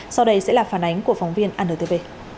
sau đây sẽ là phản ánh của phóng viên antv